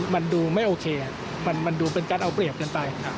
มันดูไม่โอเคมันดูเป็นการเอาเปรียบเกินไป